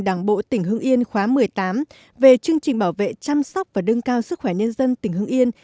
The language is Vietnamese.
đảng bộ tỉnh hương yên khóa một mươi tám về chương trình bảo vệ chăm sóc và đương cao sức khỏe nhân dân tỉnh hương yên